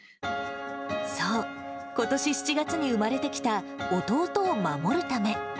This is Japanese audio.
そう、ことし７月に生まれてきた弟を守るため。